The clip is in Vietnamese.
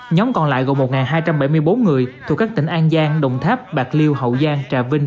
nhóm còn lại gồm một hai trăm bảy mươi bốn người thuộc các tỉnh an giang đồng tháp bạc liêu hậu giang trà vinh